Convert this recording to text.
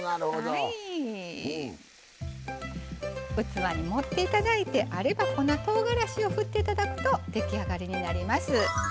器に盛っていただいてあれば粉とうがらしをふっていただくと出来上がりになります。